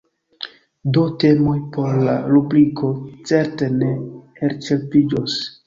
Do temoj por la rubriko certe ne elĉerpiĝos.